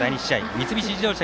三菱自動車